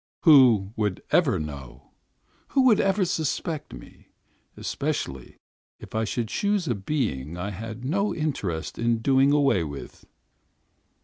Who would ever know? Who would ever suspect me, me, me, especially if I should choose a being I had no interest in doing away with?